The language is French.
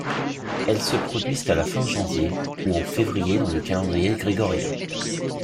Elle se produisent à la fin janvier ou en février dans le calendrier grégorien.